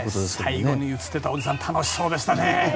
最後に映っていたおじさん楽しそうでしたね。